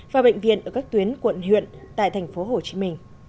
và bệnh viện ở các tuyến quận huyện tại tp hcm